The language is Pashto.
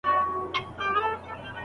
آیا هلمند له وچکالۍ سره مخ سوی دی؟